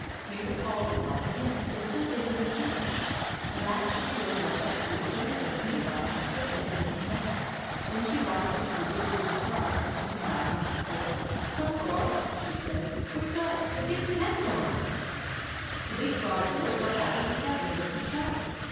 Mabel called and called again, but still they did n't hear. At last she rode Rex up to the stone fence near by and slipped down from his back. Then she walked up to the big green frog and took him by his fore foot. " Come, Frog !" she said. " Wake up ! you '11 get stepped on." The Big Frog woke up all of a sudden, with a start.